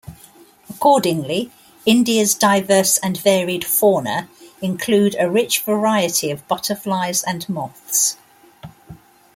Accordingly, India's diverse and varied fauna include a rich variety of butterflies and moths.